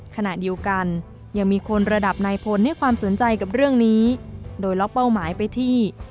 ขณะเดียวกันยังมีคนระดับนายพลให้ความสนใจกับเรื่องนี้โดยล็อกเป้าหมายไปที่